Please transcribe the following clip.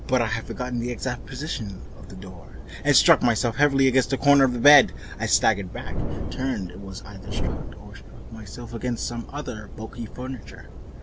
But I had forgotten the exact position of the door, and I struck myself heavily against the corner of the bed. I staggered back, turned, and was either struck or struck myself against some other bulky furnishing.